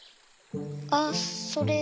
あっそれ。